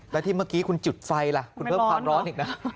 แล้วที่เมื่อกี้คุณจุดไฟล่ะคุณเพิ่มความร้อนอีกนะ